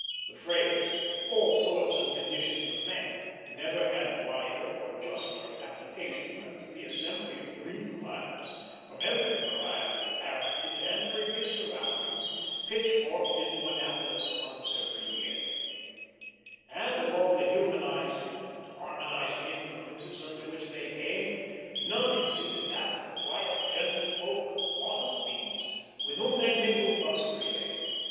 The phrase "all sorts and conditions of men" never had wider or juster application than to the assembly of green lads, from every variety of parentage and previous surroundings, pitchforked into Annapolis once every year; and, of all the humanizing and harmonizing influences under which they came, none exceeded that of the quiet gentlefolk, of modest means, with whom they mingled thus freely.